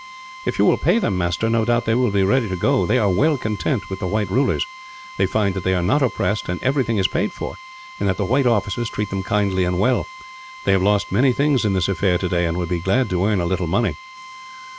"If you will pay them, master, no doubt they will be ready to go. They are well content with the white rulers. They find that they are not oppressed, and everything is paid for; and that the white officers treat them kindly and well. They have lost many things, in this affair today, and would be glad to earn a little money.